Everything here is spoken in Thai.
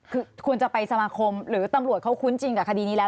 คือควรจะไปสมาคมหรือตำรวจเขาคุ้นจริงกับคดีนี้แล้ว